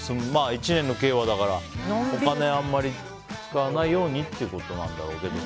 一年の計はだからお金をあまり使わないようにということだと思うけど。